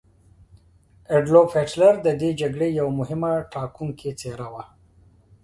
اډولف هیټلر د دې جګړې یوه مهمه او ټاکونکې څیره وه.